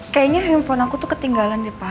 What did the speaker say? kayaknya handphone aku tuh ketinggalan nih pak